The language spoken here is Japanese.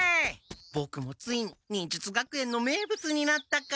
ボクもついに忍術学園の名物になったか。